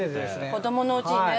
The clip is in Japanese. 子どものうちにね。